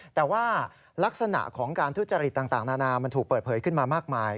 แต่ว่าลักษณะของการทุจริตต่างนานามันถูกเปิดเผยขึ้นมามากมาย